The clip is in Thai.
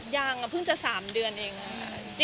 ยังเพิ่งจะ๓เดือนเองค่ะ